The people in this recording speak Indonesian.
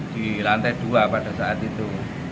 di lantai dua pada saat itu